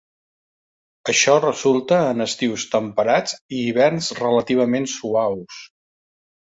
Això resulta en estius temperats i hiverns relativament suaus.